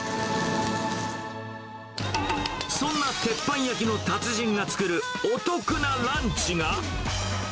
そんな鉄板焼きの達人が作るお得なランチが。